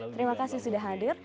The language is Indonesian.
terima kasih sudah hadir